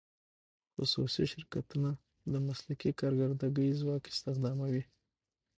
خصوصي شرکتونه مسلکي کارګري ځواک استخداموي.